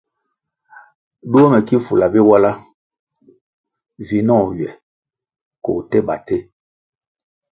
Duo mè ki fulah Biwala vinoh ywè ko tèba tè.